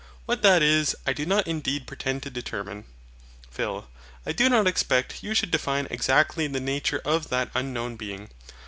WHAT THAT IS I do not indeed pretend to determine. PHIL. I do not expect you should define exactly the nature of that unknown being.